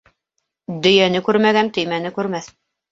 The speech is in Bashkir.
Дөйәне күрмәгән төймәне күрмәҫ.